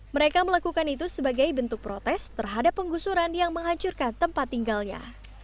mereka melakukan itu sebagai bentuk protes terhadap penggusuran yang menghancurkan tempat tinggalnya